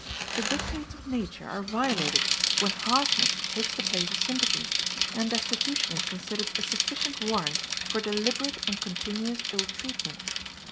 The dictates of nature are violated when harshness takes the place of sympathy, and destitution is considered a sufficient warrant for deliberate and continuous ill treatment.